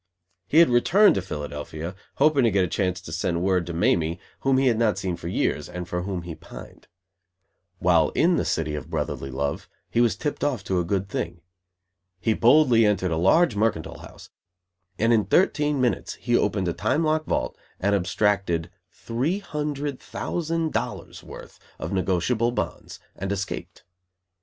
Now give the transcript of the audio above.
He had returned to Philadelphia, hoping to get a chance to send word to Mamie, whom he had not seen for years, and for whom he pined. While in the city of brotherly love he was "tipped off" to a good thing. He boldly entered a large mercantile house, and, in thirteen minutes, he opened a time lock vault, and abstracted three hundred thousand dollars worth of negotiable bonds and escaped.